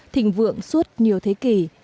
thịnh vượng suốt nhiều thế kỷ